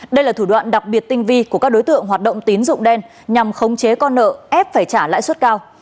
đây là thủ đoạn đặc biệt tinh vi của các đối tượng hoạt động tín dụng đen nhằm khống chế con nợ ép phải trả lãi suất cao